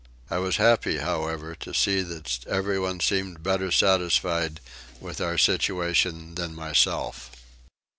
I was happy however to see that everyone seemed better satisfied with our situation than myself.